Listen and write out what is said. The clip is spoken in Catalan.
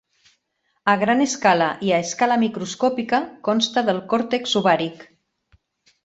A gran escala i a escala microscòpica, consta del còrtex ovàric.